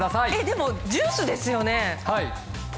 でもジュースですよね？